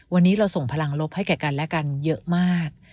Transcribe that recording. วันนี้เราส่งพลังลบให้แก่กันและกันเยอะมาก